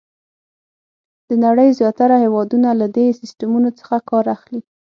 د نړۍ زیاتره هېوادونه له دې سیسټمونو څخه کار اخلي.